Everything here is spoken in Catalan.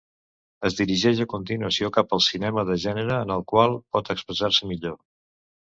Es dirigeix a continuació cap al cinema de gènere en el qual pot expressar-se millor.